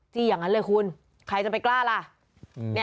อย่างนั้นเลยคุณใครจะไปกล้าล่ะ